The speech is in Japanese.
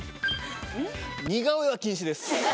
似顔絵は禁止です。